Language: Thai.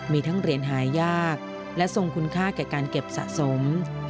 มีทั้งเหรียญหายากและทรงคุณค่าแก่การเก็บสะสม